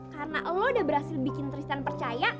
karena lu udah berhasil bikin tristan percaya